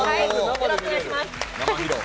よろしくお願いします。